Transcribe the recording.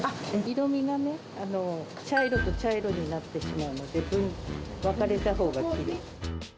色味がね、茶色と茶色になってしまうので、分かれたほうがきれいと。